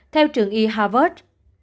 theo trường y harvard